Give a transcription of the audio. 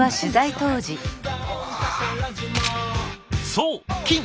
そう金！